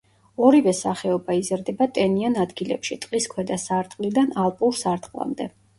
ორივე სახეობა იზრდება ტენიან ადგილებში, ტყის ქვედა სარტყლიდან ალპურ სარტყლამდე.